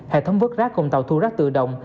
hệ thống vớt rác cùng tàu thu rác tự động